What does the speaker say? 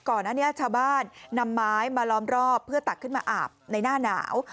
ก่อนหน้านี้ชาวบ้านนำไม้มาล้อมรอบเพื่อตักขึ้นมาอาบในหน้าหนาว